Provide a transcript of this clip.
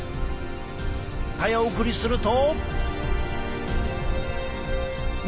早送りすると。